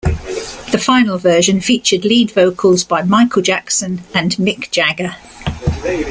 The final version featured lead vocals by Michael Jackson and Mick Jagger.